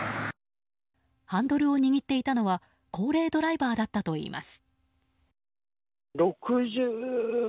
ハンドルを握っていたのは高齢ドライバーだったといいます。